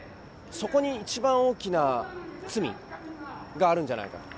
そこに一番大きな罪があるんじゃないかと。